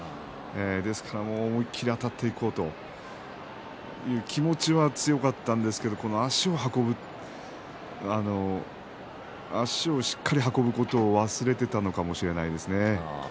ですから思い切りあたっていこうという気持ちは強かったんですけど足をしっかり運ぶことを忘れていたのかもしれないですね。